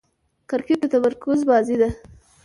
کرکټ د تمرکز بازي ده.